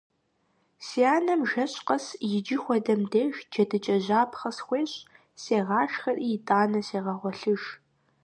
Си анэм жэщ къэс иджы хуэдэм деж джэдыкӀэжьапхъэ схуещӀ, сегъашхэри, итӀанэ сегъэгъуэлъыж.